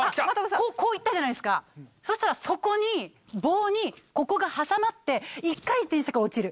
こう行ったじゃないですかそしたら棒にここが挟まって１回転してから落ちる。